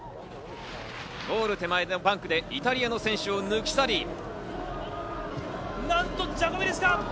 ゴール手前のバンクでイタリアの選手を抜き去り。